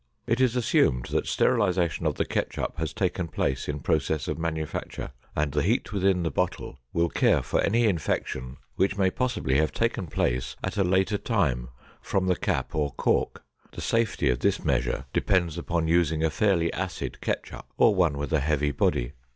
It is assumed that sterilization of the ketchup has taken place in process of manufacture, and the heat within the bottle will care for any infection which may possibly have taken place at a later time from the cap or cork. The safety of this measure depends upon using a fairly acid ketchup or one with a heavy body.